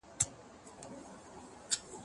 هغه وويل چي نان صحي دی!.